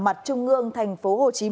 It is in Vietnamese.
mặt trung ương tp hcm